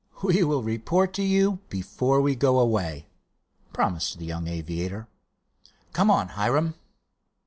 "We will report to you before we go away," promised the young aviator. "Come on, Hiram."